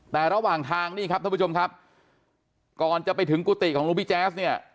แต่ระหว่างทางนี่ครับท่านผู้ชมครับก่อนจะไปถึงกุฏิของหลวงพี่แจ๊สเนี่ย